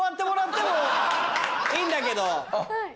いいんだけど。